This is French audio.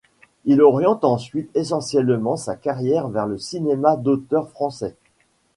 Il oriente ensuite essentiellement sa carrière vers le cinéma d'auteur français.